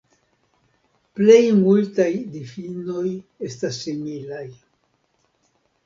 Plej multaj difinoj estas similaj.